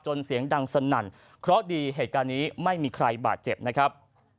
เสียงดังสนั่นเพราะดีเหตุการณ์นี้ไม่มีใครบาดเจ็บนะครับ